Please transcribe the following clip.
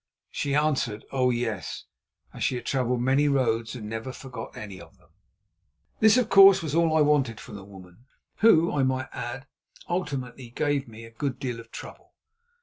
She answered: "Oh, yes," as she had travelled many roads and never forgot any of them. This, of course, was all I wanted from the woman, who, I may add, ultimately gave me a good deal of trouble.